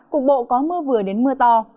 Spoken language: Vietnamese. cục bộ có mưa vừa đến mưa to